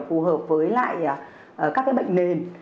phù hợp với lại các cái bệnh nền